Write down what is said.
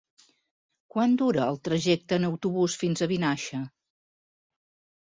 Quant dura el trajecte en autobús fins a Vinaixa?